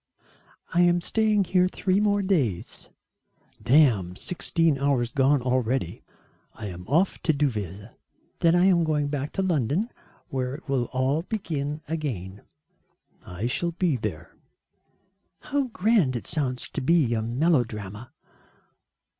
"I am staying here three more days." "Damn sixteen hours gone already, I am off to Deauville." "Then I am going back to London where it will all begin again." "I shall be there." "How grand it sounds to be a melodrama."